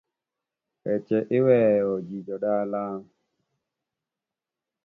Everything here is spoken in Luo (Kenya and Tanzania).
Weche iweyo, ji jodala.